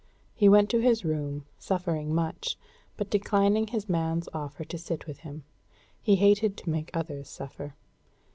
He went to his room, suffering much, but declining his man's offer to sit with him. He hated to make others suffer.